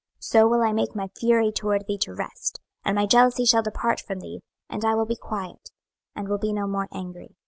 26:016:042 So will I make my fury toward thee to rest, and my jealousy shall depart from thee, and I will be quiet, and will be no more angry.